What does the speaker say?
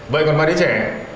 vậy còn ba đứa trẻ